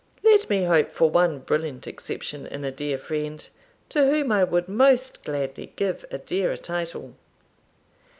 Let me hope for one brilliant exception in a dear friend, to whom I would most gladly give a dearer title.'